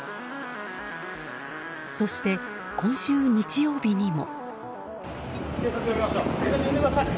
そして今週日曜日にも。